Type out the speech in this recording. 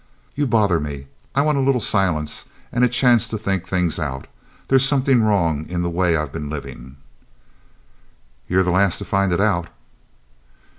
"You bother me. I want a little silence and a chance to think things out. There's something wrong in the way I've been living." "You're the last to find it out."